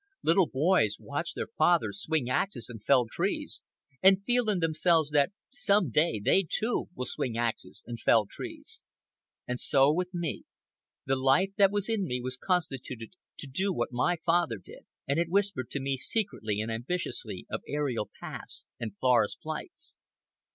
Little boys watch their fathers swing axes and fell trees, and feel in themselves that some day they, too, will swing axes and fell trees. And so with me. The life that was in me was constituted to do what my father did, and it whispered to me secretly and ambitiously of aerial paths and forest flights.